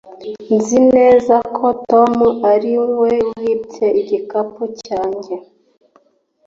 Nzi neza ko Tom ari we wibye igikapu cyanjye